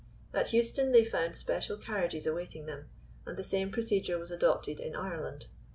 At Euston they found special carriages awaiting them, and the same procedure was adopted in Ireland.